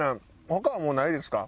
他はもうないですか？